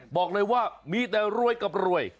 บอกเลยว่ามีแต่รวยกับรวย